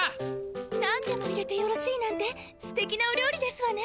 何でも入れてよろしいなんて素敵なお料理ですわね。